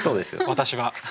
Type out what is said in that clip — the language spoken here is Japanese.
私は。